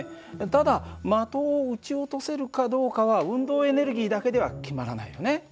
ただ的を撃ち落とせるかどうかは運動エネルギーだけでは決まらないよね。